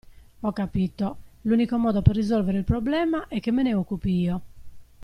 Ho capito, l'unico modo per risolvere il problema è che me ne occupi io.